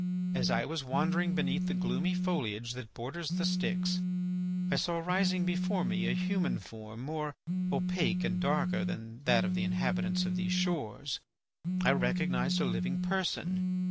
As I was wandering beneath the gloomy foliage that borders the Styx, I saw rising before me a human form more opaque and darker than that of the inhabitants of these shores. I recognised a living person.